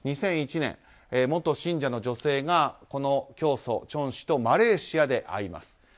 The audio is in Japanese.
２００１年、元信者の女性がこの教祖チョン氏とマレーシアで会います。